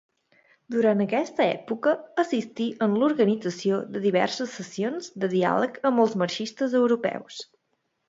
Durant aquesta època assistí en l'organització de diverses sessions de diàleg amb els marxistes europeus.